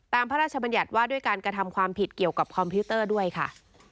พระราชบัญญัติว่าด้วยการกระทำความผิดเกี่ยวกับคอมพิวเตอร์ด้วยค่ะ